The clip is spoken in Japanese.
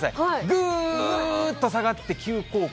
ぐーっと下がって急降下。